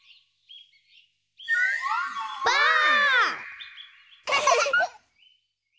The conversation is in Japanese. ばあっ！